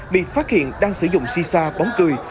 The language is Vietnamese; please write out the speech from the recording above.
bị phát hiện đang sử dụng xì xa bóng cười